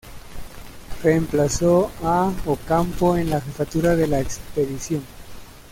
Reemplazó a Ocampo en la jefatura de la expedición.